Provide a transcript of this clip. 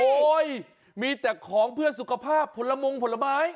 มีแต่ของเพื่อสุขภาพผลมงผลไม้